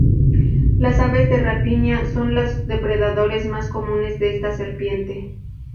Las aves de rapiña son los depredadores más comunes de esta serpiente.